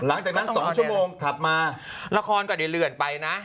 หลังจากนั้น๒ชั่วโมงถัดมาละครก็ได้เลื่อนไปนะ